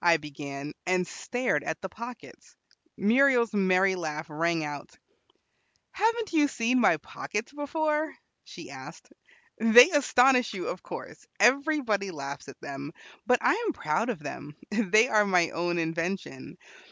I began, and stared at the pockets. Muriel's merry laugh rang out. "Haven't you seen my pockets before?" she asked. "They astonish you, of course; everybody laughs at them; but I am proud of them; they are my own invention.